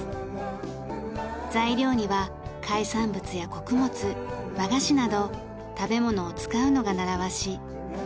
材料には海産物や穀物和菓子など食べ物を使うのが習わし。